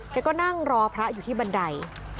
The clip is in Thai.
ก็นั่งรอพระอยู่ที่บันได